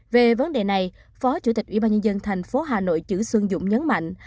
về vấn đề này phó chủ tịch ủy ban nhân dân thành phố hà nội chữ xuân dũng nhấn mạnh